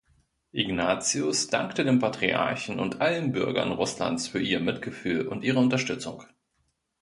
Ignatius dankte dem Patriarchen und allen Bürgern Russlands für ihr Mitgefühl und ihre Unterstützung.